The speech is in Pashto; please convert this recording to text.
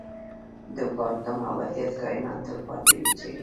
د کوانټم ابدیت کائنات تل پاتې کوي.